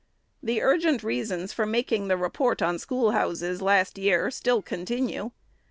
The urgent reasons for making the report on schoolhouses, the last year, still continue.